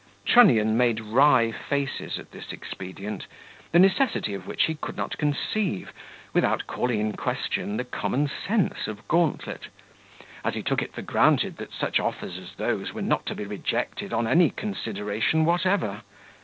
Trunnion made wry faces at this expedient, the necessity of which he could not conceive, without calling in question the common sense of Gauntlet; as he took it for granted that such offers as those were not to be rejected on any consideration whatever.